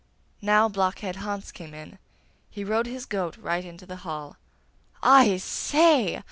Now Blockhead Hans came in; he rode his goat right into the hall. 'I say!